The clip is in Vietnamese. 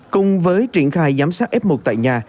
cùng với triển khai giám sát f một tại nhà